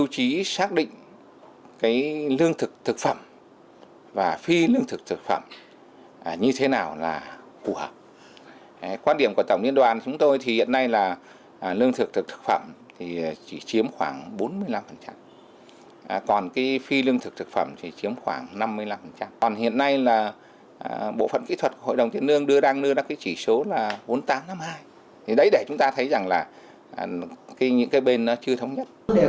thì chúng ta áp cái đó vào là chúng ta không cần phải đi ngồi cái đó cả